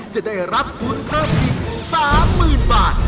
จะได้รับทุนเพิ่มอีก๓๐๐๐บาท